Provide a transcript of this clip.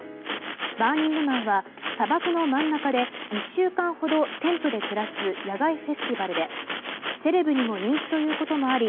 バーニングマンは砂漠の真ん中で１週間ほどテントで暮らす野外フェスティバルでセレブにも人気ということもあり